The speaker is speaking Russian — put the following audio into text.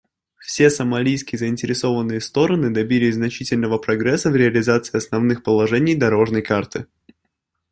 Все сомалийские заинтересованные стороны добились значительного прогресса в реализации основных положений «дорожной карты».